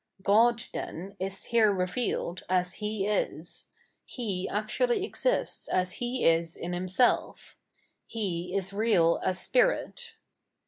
God, then, is here revealed, as He is ; He actually exists as He is in Himself ; He is real as Spirit.